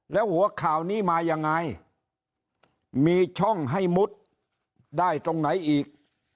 แล้วหัวข่าวนี้มายังไงมีช่องให้มุดได้ตรงไหนอีก